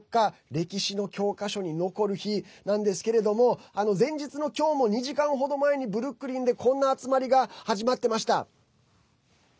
歴史の教科書に残る日なんですけれども前日の今日も２時間程前にブルックリンでこんな集まりが始まってました。